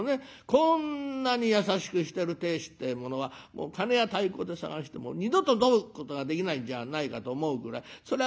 こんなに優しくしてる亭主ってえものは鉦や太鼓で探しても二度と添うことができないんじゃないかと思うぐらいそら